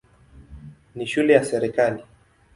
Ni shule ya serikali.